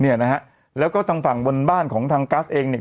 เนี่ยนะฮะแล้วก็ทางฝั่งบนบ้านของทางกัสเองเนี่ย